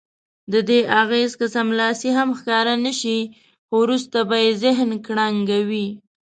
ددې اغېز که سملاسي هم ښکاره نه شي خو وروسته به یې ذهن کړنګوي.